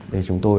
để chúng tôi